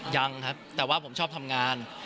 ยังครับแต่ว่าผมชอบทำงาน